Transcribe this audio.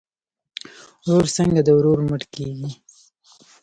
ورور څنګه د ورور مټ کیږي؟